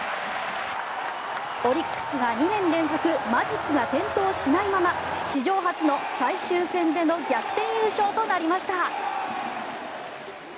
オリックスは２年連続マジックが点灯しないまま史上初の最終戦での逆転優勝となりました。